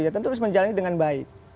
ya tentu harus menjalani dengan baik